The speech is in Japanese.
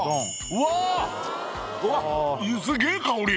うわすげえ香り！